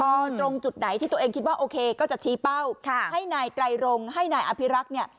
ตรงจุดไหนที่ตัวเองคิดว่าโอเคก็จะชี้เป้าให้นายไตรรงให้นายอภิรักษ์เนี่ย